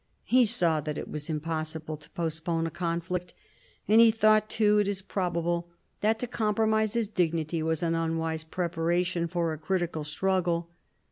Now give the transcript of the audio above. He saw that it was impossible to postpone a conflict; and he thought too, it is probable, that to compromise his dignity was an unwise preparation for a critical struggle.